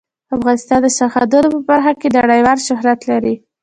افغانستان د سرحدونه په برخه کې نړیوال شهرت لري.